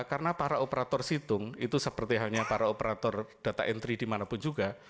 karena para operator situng itu seperti hanya para operator data entry dimanapun juga